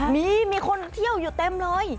มีมีคนเที่ยวอยู่เต็มเลย